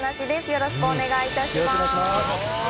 よろしくお願いします。